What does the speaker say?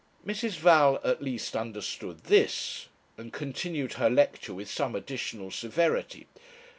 Mrs. Val at least understood this, and continued her lecture with some additional severity.